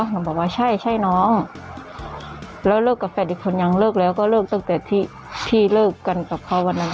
เขาบอกว่าใช่ใช่น้องแล้วเลิกกับแฟนอีกคนยังเลิกแล้วก็เลิกตั้งแต่ที่เลิกกันกับเขาวันนั้น